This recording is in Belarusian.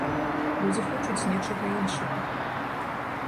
Людзі хочуць нечага іншага.